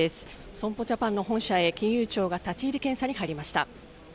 損保ジャパンの本社へ、金融庁が立ち入り検査に入りました。